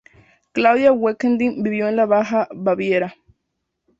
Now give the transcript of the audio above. Claudia Wedekind vivió en la Baja Baviera.